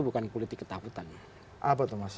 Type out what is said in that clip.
bukan politik ketakutan apa tuh mas